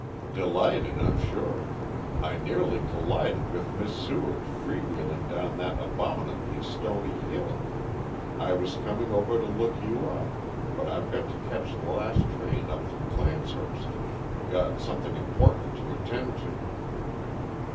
"Delighted, I'm sure. I nearly collided with Miss Seward free wheeling down that abominably stony hill. I was coming over to look you up but I've got to catch the last train up from Clancehurst. Got something important to attend to."